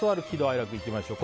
楽いきましょう。